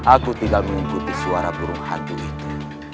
aku tinggal mengikuti suara burung hantu itu